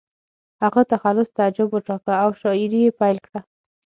هغه تخلص تعجب وټاکه او شاعري یې پیل کړه